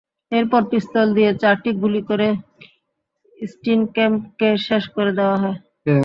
এরপর পিস্তল দিয়ে চারটি গুলি করে স্টিনক্যাম্পকে শেষ করে দেওয়া হয়।